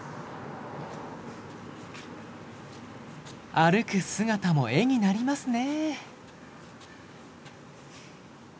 歩く姿も絵になりますね。